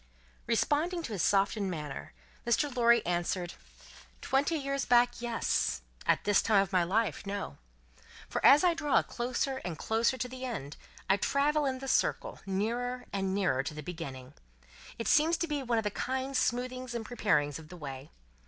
Responding to his softened manner, Mr. Lorry answered: "Twenty years back, yes; at this time of my life, no. For, as I draw closer and closer to the end, I travel in the circle, nearer and nearer to the beginning. It seems to be one of the kind smoothings and preparings of the way.